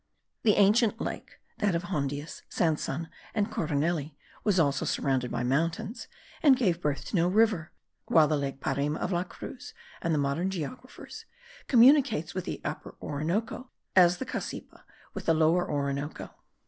The ancient lake (that of Hondius, Sanson, and Coronelli) was also surrounded by mountains, and gave birth to no river; while the lake Parima of La Cruz and the modern geographers communicates with the Upper Orinoco, as the Cassipa with the Lower Orinoco.